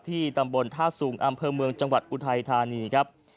ตำบลท่าสูงอำเภอเมืองจังหวัดอุทัยธานีครับ